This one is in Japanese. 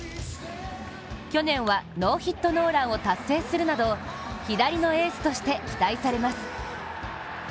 去年はノーヒットノーランを達成するなど左のエースとして期待されます。